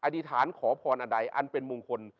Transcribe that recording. อธิษฐานขอพรอันใดอันเป็นมงคล